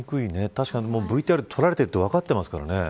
確かに、ＶＴＲを撮られてるのが分かってますからね。